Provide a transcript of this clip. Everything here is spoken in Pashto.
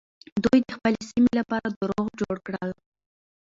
دوی د خپلې سيمې لپاره دروغ جوړ کړل.